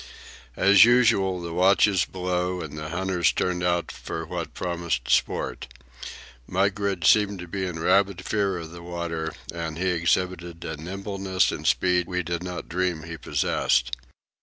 As usual, the watches below and the hunters turned out for what promised sport. Mugridge seemed to be in rabid fear of the water, and he exhibited a nimbleness and speed we did not dream he possessed.